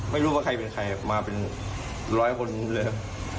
ไม่รู้ว่าใครเป็นใครมาเป็นร้อยคนเลยครับ